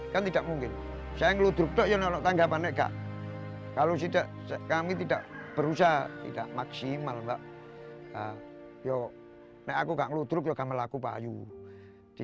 selainnya saya juga berkarya bagaimana untuk menyukupi ini